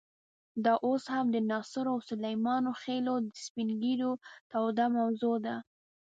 دا اوس هم د ناصرو او سلیمان خېلو د سپین ږیرو توده موضوع ده.